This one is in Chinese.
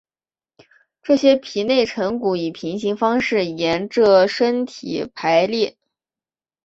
这些皮内成骨以平行方式沿者身体排列。